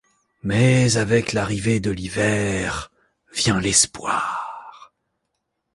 Mais avec l'arrivée de l'hiver vient l'espoir.